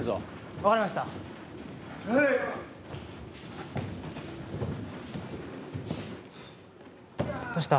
分かりました。